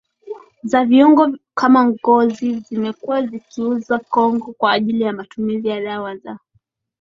za viungo kama ngozi zilikuwa zikiiuzwa kongo kwa ajili ya matumizi ya dawa za